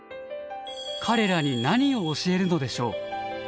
彼らに何を教えるのでしょう？